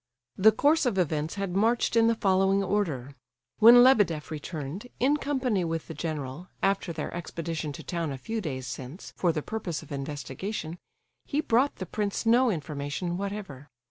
The course of events had marched in the following order. When Lebedeff returned, in company with the general, after their expedition to town a few days since, for the purpose of investigation, he brought the prince no information whatever.